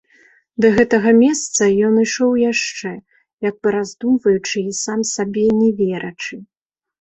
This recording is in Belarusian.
Да гэтага месца ён ішоў яшчэ, як бы раздумваючы і сам сабе не верачы.